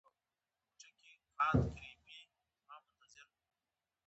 ړوند سړی په یوه ښار کي اوسېدلی